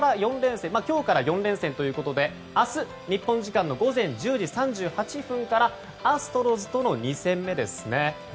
今日から４連戦ということで明日、日本時間の午前１０時３８分からアストロズとの２戦目ですね。